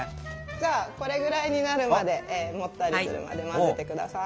じゃあこれぐらいになるまでもったりするまで混ぜてください。